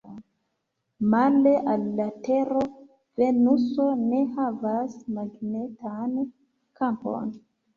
Male al la Tero, Venuso ne havas magnetan kampon.